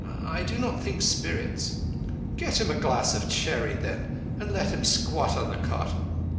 I do not think spirits—" "Get him a glass of sherry, then, and let him squat on the cot.